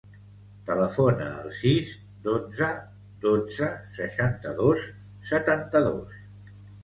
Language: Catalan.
Telefona al sis, dotze, dotze, seixanta-dos, setanta-dos.